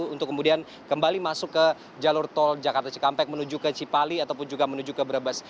untuk kemudian kembali masuk ke jalur tol jakarta cikampek menuju ke cipali ataupun juga menuju ke brebes